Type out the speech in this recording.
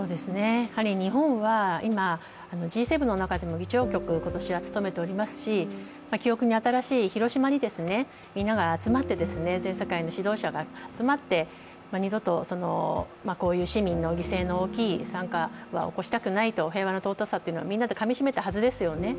日本は今、Ｇ７の中でも議長国を今年は務めていますし記憶に新しい広島に、みんなが集まって全世界の指導者が集まって二度とこういう市民の犠牲の大きい惨禍は起こしたくない、平和の尊さというのをみんなでかみしめたはずですよね